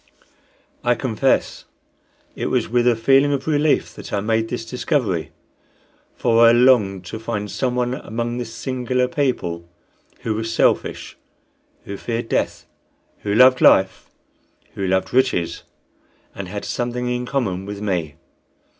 I confess it was with a feeling of relief that I made this discovery; for I longed to find someone among this singular people who was selfish, who feared death, who loved life, who loved riches, and had something in common with me.